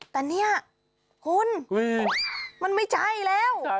แต่เนี่ยคุณมันไม่ใช่แล้ว